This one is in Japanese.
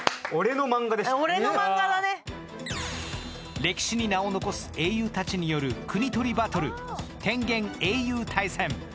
歴史に名を残す英雄たちによる国とりバトル「テンゲン英雄大戦」。